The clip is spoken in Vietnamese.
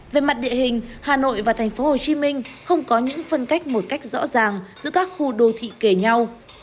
về mặt địa hình hà nội và tp hcm không có những phân cách một cách rõ ràng giữa các khu đô thị kể nhau